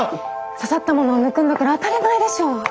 刺さったものを抜くんだから当たり前でしょう。